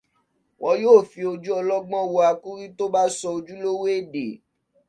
Wọ́n yóò fi ojú ọlọgbọ́n wo akúrí tó bá sọ ojúlówó èdè.